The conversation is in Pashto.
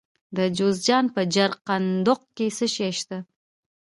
د جوزجان په جرقدوق کې څه شی شته؟